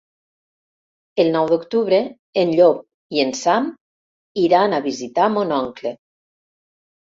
El nou d'octubre en Llop i en Sam iran a visitar mon oncle.